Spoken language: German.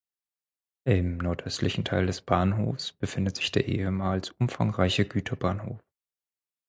Im nord-östlichen Teil des Bahnhofs befindet sich der ehemals umfangreiche Güterbahnhof.